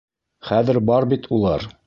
Хәҙер бар бит улар.